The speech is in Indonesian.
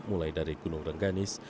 mulai dari gunung rengganis